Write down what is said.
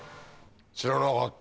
知らなかった！